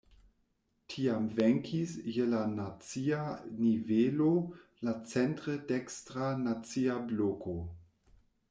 Tiam venkis je la nacia nivelo la centre dekstra "Nacia Bloko".